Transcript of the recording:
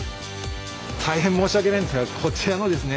大変申し訳ないんですがこちらのですね。